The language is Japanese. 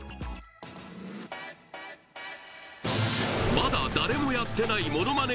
まだ誰もやってない”モノマネ